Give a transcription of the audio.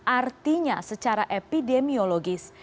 artinya secara epidemiologis